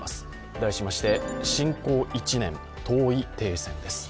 題しまして「侵攻１年遠い停戦」です。